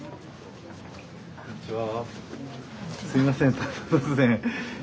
こんにちは。